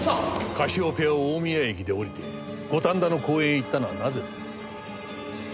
カシオペアを大宮駅で降りて五反田の公園へ行ったのはなぜです？